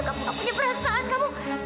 kamu punya perasaan kamu